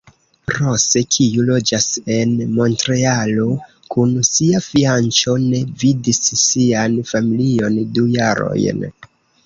Rose, kiu loĝas en Montrealo kun sia fianĉo, ne vidis sian familion du jarojn.